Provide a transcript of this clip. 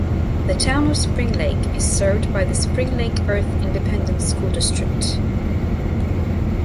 The Town of Springlake is served by the Springlake-Earth Independent School District.